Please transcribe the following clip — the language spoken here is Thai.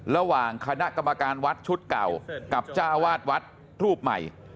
ระหว่างคณะกรรมการวัดชุดเก่ากับจ้าวาดวัดรูปใหม่